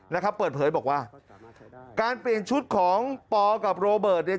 นะครับเปิดเผยบอกว่าการเปลี่ยนชุดของปอกับโรเบิร์ตเนี่ย